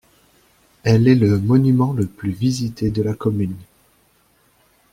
Elle est le monument le plus visité de la commune.